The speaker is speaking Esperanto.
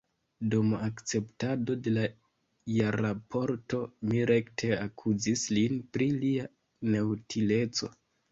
Dum akceptado de la jarraporto mi rekte akuzis lin pri lia neutileco.